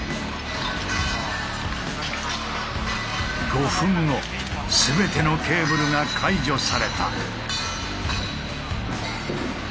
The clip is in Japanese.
５分後全てのケーブルが解除された。